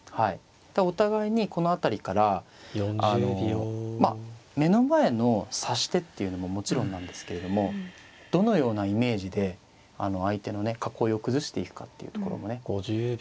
お互いにこの辺りからあのまあ目の前の指し手っていうのももちろんなんですけれどもどのようなイメージで相手のね囲いを崩していくかっていうところもね